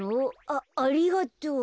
あありがとう。